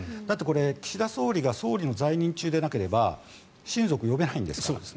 岸田総理が総理の在任中でなければ親族呼べないんですから。